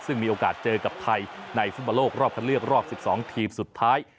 ซึ่งมีโอกาสเจอกับไทยในฟุตบอลโลกรอบคันเลือกรอบ๑๒ทีมสุดท้าย